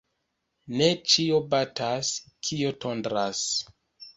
Ne ĉio batas, kio tondras.